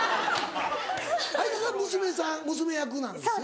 はいださん娘役なんですよね。